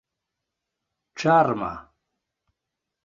ĉarma